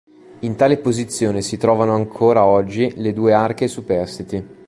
In tale posizione si trovano ancora oggi le due arche superstiti.